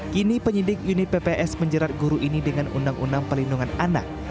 kini penyidik unit pps menjerat guru ini dengan undang undang pelindungan anak